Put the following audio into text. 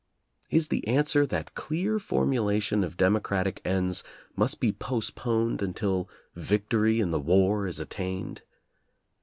Is the answer that clear formulation of demo cratic ends must be postponed until victory in the war is attained?